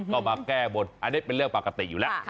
ก็มาแก้บนอันนี้เป็นเรื่องปกติอยู่แล้ว